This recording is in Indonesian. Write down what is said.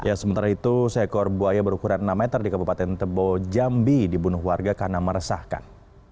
ya sementara itu seekor buaya berukuran enam meter di kabupaten tebo jambi dibunuh warga karena meresahkan